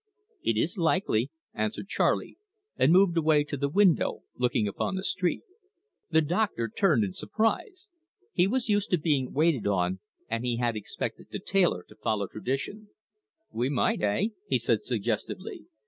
"It is likely," answered Charley, and moved away to the window looking upon the street. The doctor turned in surprise. He was used to being waited on, and he had expected the tailor to follow the tradition. "We might eh?" he said suggestively.